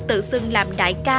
tự xưng làm đại ca